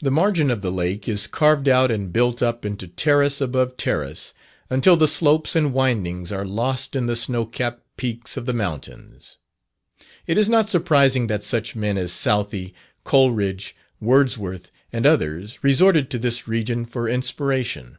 The margin of the lake is carved out and built up into terrace above terrace, until the slopes and windings are lost in the snow capped peaks of the mountains. It is not surprising that such men as Southey, Coleridge, Wordsworth, and others, resorted to this region for inspiration.